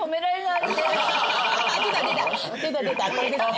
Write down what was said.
出た出たこれですね。